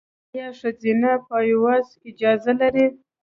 ایا ښځینه پایواز اجازه لري؟